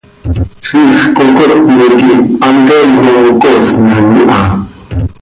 Ziix cöcocotni quih hanteeno coosnan iha.